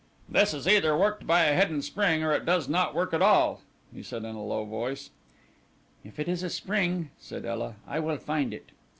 "This is either worked by a hidden spring or it does not work at all," he said in a low voice. "If it is a spring," said Ela, "I will find it."